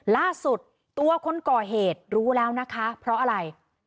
ล่าสุดตัวคนก่อเหตุรู้แล้วนะคะเพราะอะไร